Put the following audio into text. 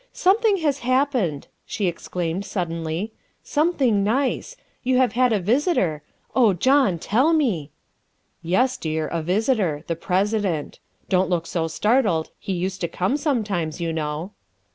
" Something has happened," she exclaimed suddenly, " something nice. You have had a visitor. Oh John, tell me!" " Yes, dear, a visitor the President. Don't look so startled, he used to come sometimes, you know."